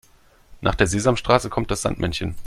Nach der Sesamstraße kommt das Sandmännchen.